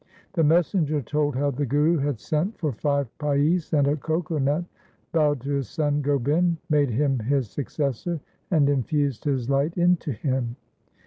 The messenger told how the Guru had sent for five paise and a coco nut, bowed to his son Gobind, made him his successor, and infused his light into him.